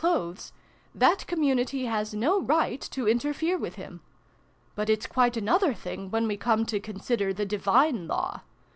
clothes, that community has no right to inter fere with him. But it's quite another thing, when we come to consider' the divine law.